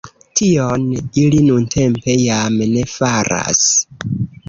Tion ili nuntempe jam ne faras.